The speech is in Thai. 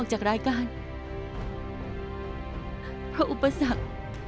เพราะอุปสรรค